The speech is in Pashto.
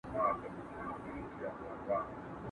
¬ زړه زړه ته لار لري.